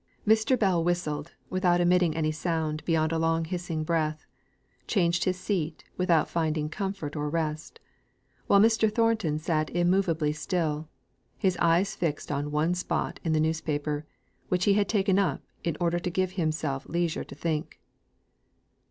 Mr. Bell whistled, without emitting any sound beyond a long hissing breath; changed his seat, without finding comfort or rest; while Mr. Thornton sat immovably still, his eyes fixed on one spot in the newspaper, which he had taken up in order to give himself leisure to think.